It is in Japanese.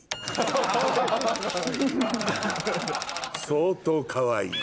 相当かわいい。